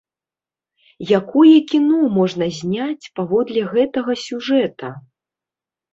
Якое кіно можна зняць паводле гэтага сюжэта!